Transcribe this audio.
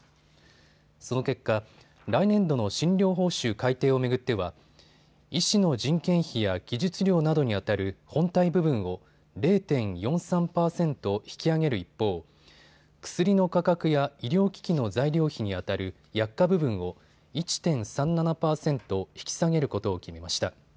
その結果、来年度の診療報酬改定を巡っては医師の人件費や技術料などにあたる本体部分を０．４３％引き上げる一方、薬の価格や医療機器の材料費にあたる薬価部分を１．３７％引き下げることを決めました。